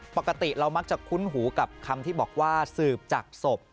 ปกติเรามักจะคุ้นหูกับคำที่บอกว่าสืบจากศพ